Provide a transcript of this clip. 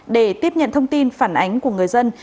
để tiếp nhận thông tin phản ánh của người dân